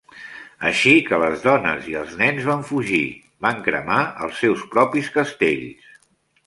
Així que les dones i els nens van fugir, van cremar els seus propis castells.